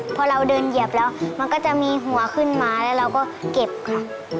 พอเราเดินเหยียบแล้วมันก็จะมีหัวขึ้นมาแล้วเราก็เก็บค่ะ